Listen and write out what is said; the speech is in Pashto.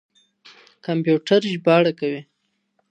کمپيوټر ژباړه کوي.